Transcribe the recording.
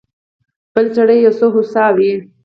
پلی سړی یو څه هوسا وي.